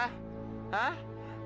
oh aku tahu